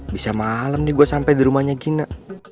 bisa malam nih gue sampai di rumahnya gina